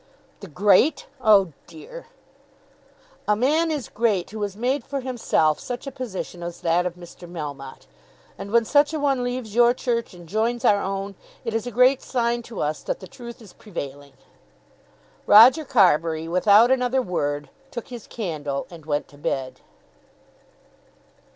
"The great! oh dear!" "A man is great who has made for himself such a position as that of Mr. Melmotte. And when such a one leaves your Church and joins our own, it is a great sign to us that the Truth is prevailing." Roger Carbury, without another word, took his candle and went to bed.